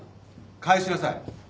返しなさい。